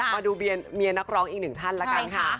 มาดูเมียนักร้องอีกหนึ่งท่านแล้วกันค่ะ